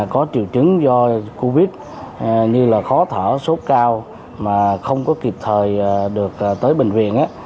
có triều chứng do covid như khó thở sốt cao mà không có kịp thời được tới bệnh viện